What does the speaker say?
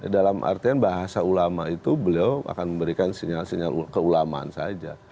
dalam artian bahasa ulama itu beliau akan memberikan sinyal sinyal keulamaan saja